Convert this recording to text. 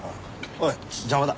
おい邪魔だ。